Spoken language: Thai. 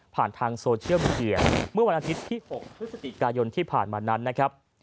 ทางโซเชียลมีเดียเมื่อวันอาทิตย์ที่๖พฤศจิกายนที่ผ่านมานั้นนะครับ